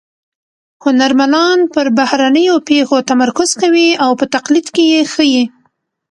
هنرمنان پر بهرنیو پېښو تمرکز کوي او په تقلید کې یې ښيي